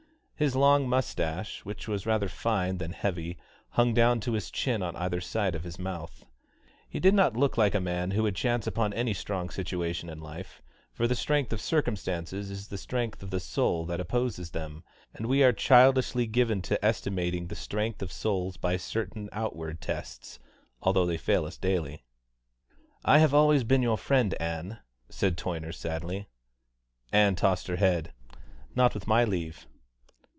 His long moustache, which was fine rather than heavy, hung down to his chin on either side of his mouth. He did not look like a man who would chance upon any strong situation in life, for the strength of circumstances is the strength of the soul that opposes them, and we are childishly given to estimating the strength of souls by certain outward tests, although they fail us daily. "I have always been your friend, Ann," said Toyner sadly. Ann tossed her head. "Not with my leave."